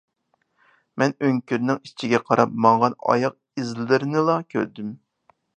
مەن ئۆڭكۈرنىڭ ئىچىگە قاراپ ماڭغان ئاياغ ئىزلىرىنىلا كۆردۈم